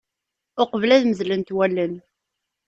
Uqbel ad medlent walen.